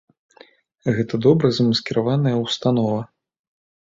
Гэта добра замаскіраваная ўстанова.